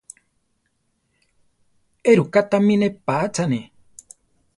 Éruká tamí nepátzaane?